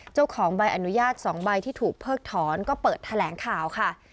เจ้าของใบอนุญาต๒ใบที่ถูกเพิกถอนก็เปิดแถลงข่าวค่ะ